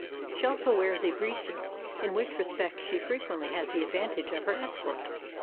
She also wears a breeching, in which respect she frequently has the advantage of her escort.